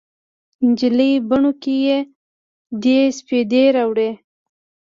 نجلۍ بڼو کې دې سپیدې راوړي